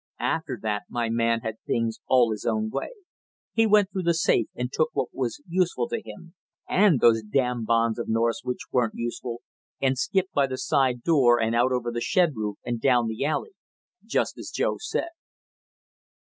After that my man had things all his own way. He went through the safe and took what was useful to him, and those damn bonds of North's which weren't useful, and skipped by the side door and out over the shed roof and down the alley, just as Joe said."